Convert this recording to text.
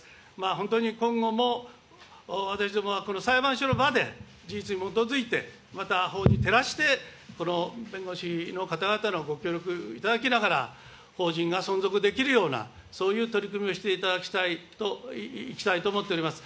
本当に今後も私どもはこの裁判終了まで事実に基づいて、また法に照らして、この弁護士の方々のご協力を頂きながら、法人が存続できるようなそういう取り組みをしていただきたいと、していきたいと思っております。